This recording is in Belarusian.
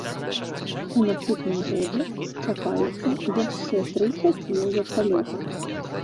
У наступным годзе чакаюцца яшчэ тры такія верталёты.